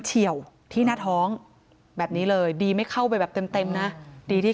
เฉียวที่หน้าท้องแบบนี้เลยดีไม่เข้าไปแบบเต็มนะดีที่